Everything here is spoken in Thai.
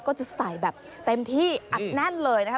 ก็จะใส่แบบเต็มที่อัดแน่นเลยนะคะ